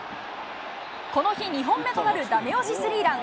この日２本目となるだめ押しスリーラン。